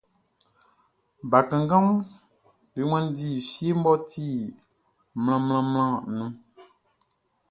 Bakannganʼm be wanndi fie mʼɔ ti mlanmlanmlanʼn nun.